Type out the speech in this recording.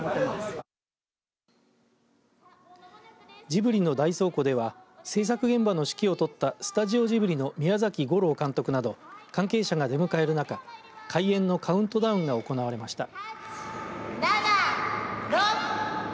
ジブリの大倉庫では制作現場の指揮を執ったスタジオジブリの宮崎吾朗監督など関係者が出迎える中、開園のカウントダウンが行われました。